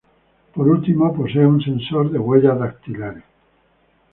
Por último posee un sensor de huellas dactilar.